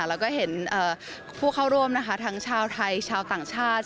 แล้วก็เห็นผู้เข้าร่วมนะคะทั้งชาวไทยชาวต่างชาติ